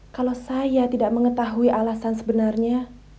kalau saya tidak mengetahui alasan sebenarnya